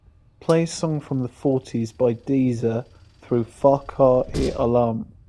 Play a song from the fourties by Deezer through Fakhar-e-alam.